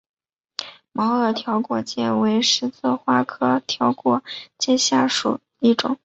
毛萼条果芥为十字花科条果芥属下的一个种。